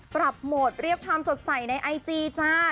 โหมดเรียกความสดใสในไอจีจ้า